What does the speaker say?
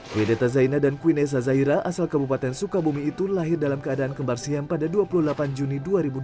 queen eta zaina dan queen eza zahira asal kabupaten sukabumi itu lahir dalam keadaan kembar siam pada dua puluh delapan juni dua ribu dua puluh satu